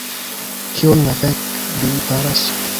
Kion la fek li faras?